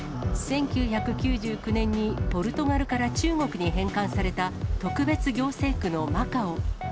１９９９年にポルトガルから中国に返還された特別行政区のマカオ。